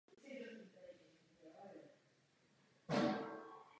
Nakonec se rozhodl ve Francii zůstat natrvalo.